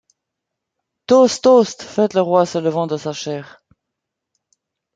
Tost ! tost ! feit le Roy se levant de sa chaire.